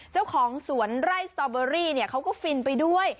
เจ้าของสวนไร่สตอเบอรี่เขาก็ฟินไปด้วย